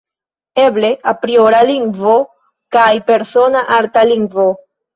Eble apriora lingvo kaj persona arta lingvo.